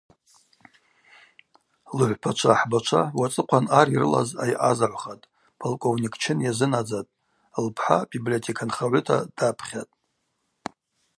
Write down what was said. Лыгӏвпачва ахӏбачва уацӏыхъван ар йрылаз айъазагӏвхатӏ, полковник чын йазынадзатӏ, лпхӏа библиотека нхагӏвыта дапхьатӏ.